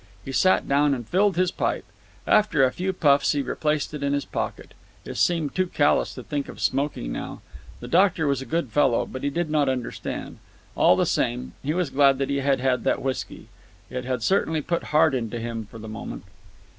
He sat down and filled his pipe. After a few puffs he replaced it in his pocket. It seemed too callous to think of smoking now. The doctor was a good fellow, but he did not understand. All the same, he was glad that he had had that whisky. It had certainly put heart into him for the moment.